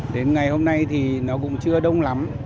đến ngày hôm nay thì nó cũng chưa đông lắm